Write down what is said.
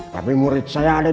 tapi murid saya ada di